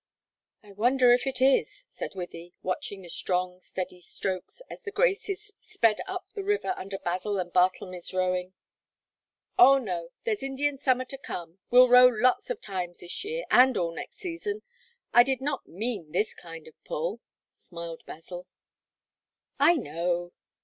"I wonder if it is," said Wythie, watching the strong, steady strokes as The Graces sped up the river under Basil and Bartlemy's rowing. "Oh, no; there's Indian summer to come; we'll row lots of times this year, and all next season. I did not mean this kind of pull," smiled Basil. "I know.